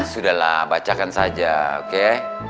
sudahlah bacakan saja oke